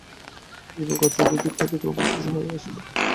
এই প্রকার চতুর্দিক হইতে ক্রমশ সহায় আসিবে।